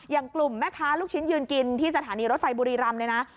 อย่างกลุ่มแม่ค้าลูกชิ้นยืนกินที่สถานีรถไฟบุรีรำเนี่ยนะ